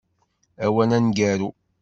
Awal aneggaru.